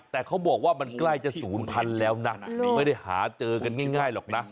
แต่เขาบอกว่ามันใกล้จะศูนย์พันธุ์แล้วนะไม่ได้หาเจอกันง่ายหรอกนะ